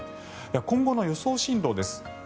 今後の予想進路です。